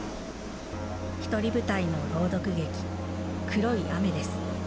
独り舞台の朗読劇「黒い雨」です。